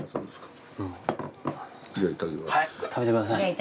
はい食べてください。